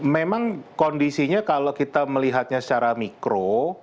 memang kondisinya kalau kita melihatnya secara mikro